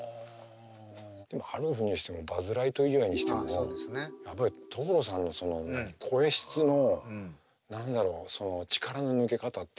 でも「アルフ」にしてもバズ・ライトイヤーにしてもやっぱり所さんのその声質の何だろうその力の抜け方っていうのが。